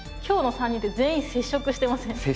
今日の３人って全員接触してません？